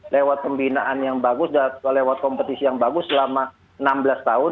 lewat pembinaan yang bagus lewat kompetisi yang bagus selama enam belas tahun